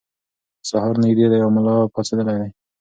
سهار نږدې دی او ملا پاڅېدلی دی.